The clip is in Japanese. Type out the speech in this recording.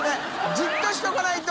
じっとしておかないと！